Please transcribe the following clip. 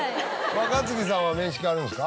若槻さんは面識あるんですか？